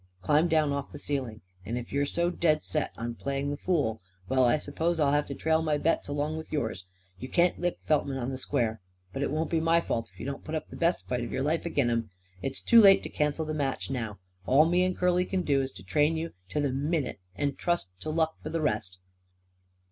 Climb down off the ceiling. And if you're so dead set on playing the fool well, I s'pose I'll have to trail my bets along with yours. You can't lick Feltman on the square. But it won't be my fault if you don't put up the best fight of your life ag'in him. It's too late to cancel the match now. All me and Curly c'n do is to train you to the minute and trust to luck for the rest."